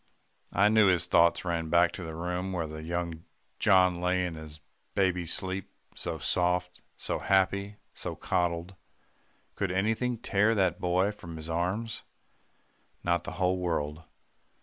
I knew his thoughts ran back to the room where young John lay in his baby sleep, so soft, so happy, so coddled. Could anything tear that boy from his arms? not the whole world.